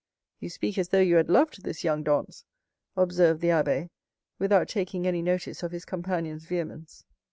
"You speak as though you had loved this young Dantès," observed the abbé, without taking any notice of his companion's vehemence.